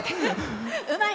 うまい！